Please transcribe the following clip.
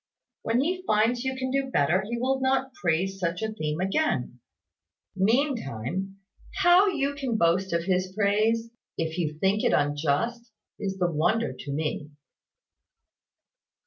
When he finds you can do better, he will not praise such a theme again. Meantime, how you can boast of his praise, if you think it unjust, is the wonder to me."